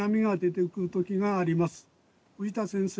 藤田先生